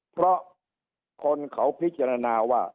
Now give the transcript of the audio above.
เพราะคนเขาพิจารณาว่า